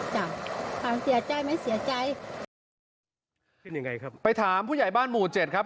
จ้ะถามเสียใจไหมเสียใจขึ้นยังไงครับไปถามผู้ใหญ่บ้านหมู่เจ็ดครับ